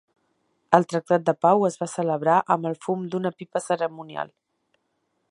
El Tractat de Pau es va celebrar amb el fum d'una pipa cerimonial.